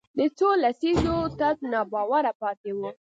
د څو لسیزو تت ناباوره پاتې وو